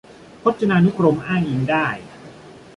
พจนานุกรมอ้างอิงได้